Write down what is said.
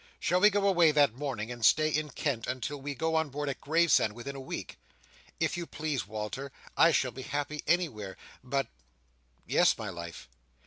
Shall we go away that morning, and stay in Kent until we go on board at Gravesend within a week?" "If you please, Walter. I shall be happy anywhere. But—" "Yes, my life?"